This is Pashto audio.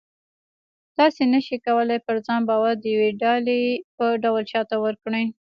تاسې نه شئ کولی پر ځان باور د یوې ډالۍ په ډول چاته ورکړئ